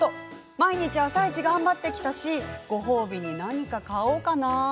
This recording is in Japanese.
毎日、「あさイチ」頑張ってきたしご褒美に何か買おうかな。